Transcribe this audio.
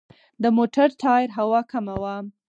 د موټر ټایر هوا کمه وه.